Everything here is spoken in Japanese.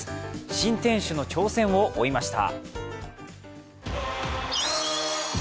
新店主の挑戦を追いました。